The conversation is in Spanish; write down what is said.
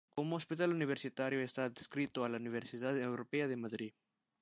Como Hospital Universitario está adscrito a la Universidad Europea de Madrid.